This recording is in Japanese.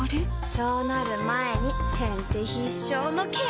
そうなる前に先手必勝のケア！